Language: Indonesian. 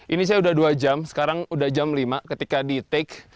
ini saya udah dua jam sekarang udah jam lima ketika di take